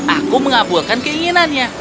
aku mengabulkan keinginannya